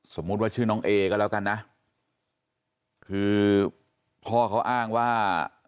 สมมุติว่าชื่อน้องเอก็แล้วกันนะคือพ่อเขาอ้างว่า